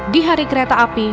di hari kereta api